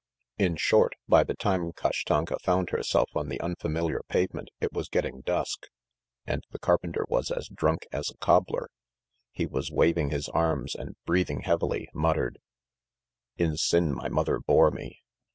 In short, by the time Kashtanka found herself on the unfamiliar pavement, it was getting dusk, and the carpenter was as drunk as a cobbler. He was waving his arms and, breathing heavily, muttered: "In sin my mother bore me!